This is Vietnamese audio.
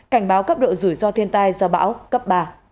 cảnh báo cấp độ rủi ro thiên tai do bão cấp ba